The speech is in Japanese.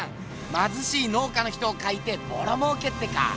まずしい農家の人を描いてボロもうけってか？